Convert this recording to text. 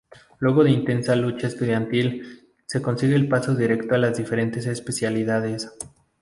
Luego de intensa lucha estudiantil, se consigue el paso directo a las diferentes especialidades.